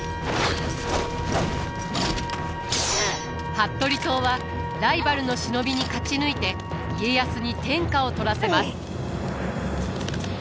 服部党はライバルの忍びに勝ち抜いて家康に天下を取らせます。